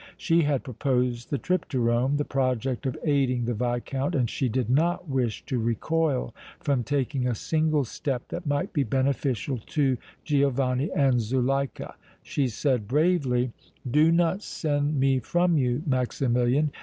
She had proposed the trip to Rome, the project of aiding the Viscount, and she did not wish to recoil from taking a single step that might be beneficial to Giovanni and Zuleika. She said, bravely: "Do not send me from you, Maximilian!